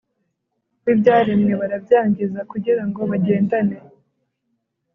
wibyaremwe barabyangiza kugira ngo bagendane